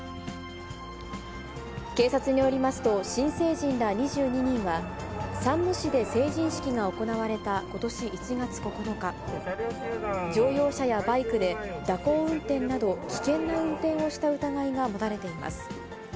警察によりますと、新成人ら２２人は、山武市で成人式が行われたことし１月９日、乗用車やバイクで蛇行運転など、危険な運転をした疑いが持たれています。